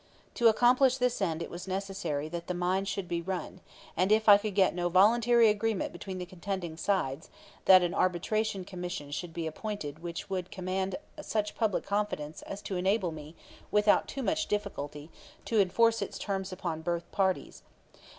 To accomplish this end it was necessary that the mines should be run, and, if I could get no voluntary agreement between the contending sides, that an Arbitration Commission should be appointed which would command such public confidence as to enable me, without too much difficulty, to enforce its terms upon both parties.